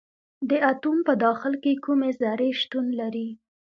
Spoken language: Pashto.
د اتوم په داخل کې کومې ذرې شتون لري.